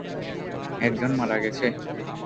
একজন মারা গেছে।